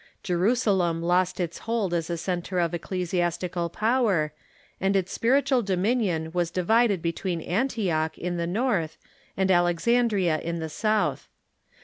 Jerusalem lost its hold as a centre of ecclesiastical power, and its spirit ual dominion was divided between Antioch, in the north, and Alexandria, in the south.